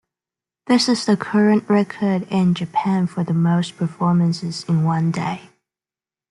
This is the current record in Japan for the most performances in one day.